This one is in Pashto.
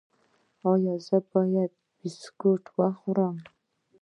ایا زه باید بسکټ وخورم؟